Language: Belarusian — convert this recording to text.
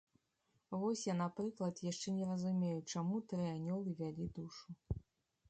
Вось я, напрыклад, яшчэ не разумею, чаму тры анёлы вялі душу.